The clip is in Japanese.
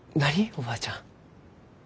おばあちゃん。